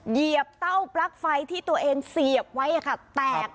เหยียบเต้าปลั๊กไฟที่ตัวเองเสียบไว้แตก